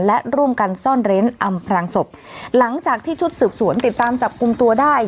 และร่วมกันซ่อนเร้นอำพรางศพหลังจากที่ชุดสืบสวนติดตามจับกลุ่มตัวได้